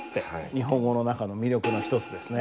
日本語の中の魅力の一つですね。